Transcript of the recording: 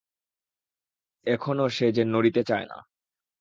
এখনো সে যে নড়িতে চায় না।